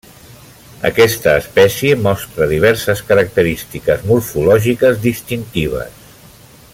Aquesta espècie mostra diverses característiques morfològiques distintives.